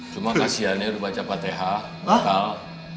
cuma kasihan nih udah baca pateha bakal